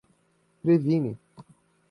previne